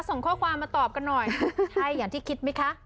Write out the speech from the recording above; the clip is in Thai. ส่งข้อความมาตอบกันหน่อยใช่อย่างที่คิดไหมคะ